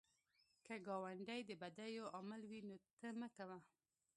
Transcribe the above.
که ګاونډی د بدیو عامل وي، ته مه کوه